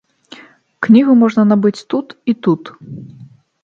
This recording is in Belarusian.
Кнігу можна набыць тут і тут.